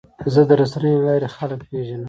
زه د رسنیو له لارې خلک پېژنم.